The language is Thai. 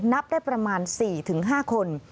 นับได้ประมาณ๔๕คน